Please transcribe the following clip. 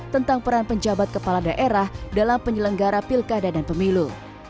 tentang peran penjabat kepala daerah dalam penyelenggara pilkada dan pemilu